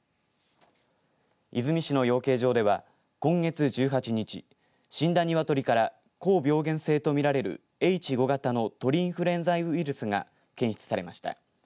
出水市の養鶏場では今月１８日死んだ鶏から高病原性と見られるＨ５型の鳥インフルエンザウイルスが検出されました。